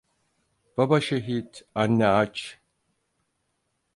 Baba şehit, anne aç…